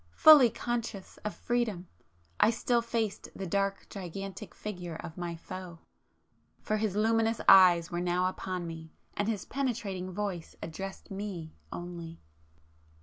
Fully conscious of freedom I still faced the dark gigantic figure of my Foe,—for his luminous eyes were now upon me, and his penetrating voice addressed me only.